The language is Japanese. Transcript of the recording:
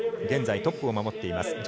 現在トップを守っています